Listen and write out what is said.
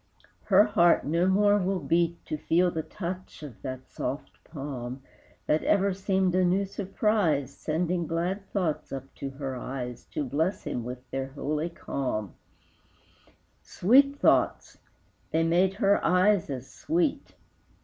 Her heart no more will beat To feel the touch of that soft palm, That ever seemed a new surprise Sending glad thoughts up to her eyes To bless him with their holy calm, Sweet thoughts! they made her eyes as sweet.